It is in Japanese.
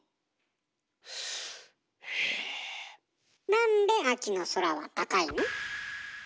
なんで秋の空は高いの？